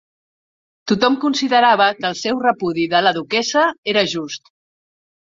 Tothom considerava que el seu repudi de la duquessa era just.